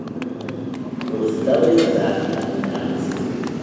It was the deadliest disaster in Indianapolis history.